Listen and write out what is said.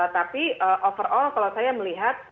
tapi overall kalau saya melihat